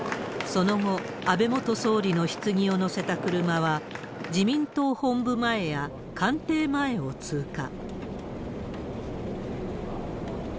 その後、安倍元総理のひつぎを乗せた車は、自民党本部前や官邸前を通過。